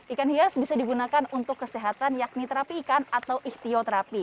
ikan hias bisa digunakan untuk kesehatan yakni terapi ikan atau ikhtioterapi